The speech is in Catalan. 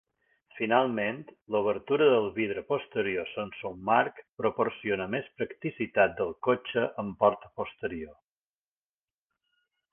Finalment, l'obertura del vidre posterior sense un marc proporciona més practicitat del cotxe amb porta posterior.